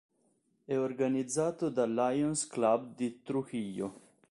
È organizzato dal Lions Club di Trujillo.